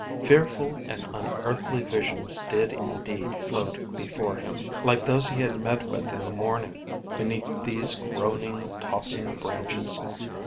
Fearful and unearthly visions did indeed float before him, like those he had met with in the morning, beneath these groaning, tossing branches.